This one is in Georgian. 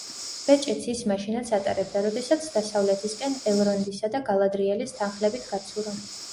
ბეჭედს ის მაშინაც ატარებდა, როდესაც დასავლეთისკენ, ელრონდისა და გალადრიელის თანხლებით გაცურა.